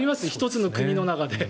１つの国の中で。